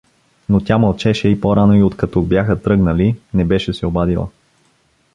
Но тя мълчеше и по-рано и откато бяха тръгнали, не беше се обадила.